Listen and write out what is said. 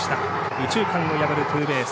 右中間を破るツーベース。